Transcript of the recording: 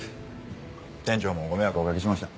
店長もご迷惑おかけしました。